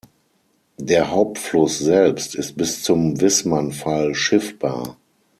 Der Hauptfluss selbst ist bis zum Wissmann-Fall schiffbar.